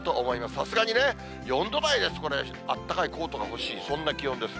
さすがにね、４度台、あったかいコートが欲しい、そんな気温です。